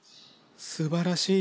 すばらしい。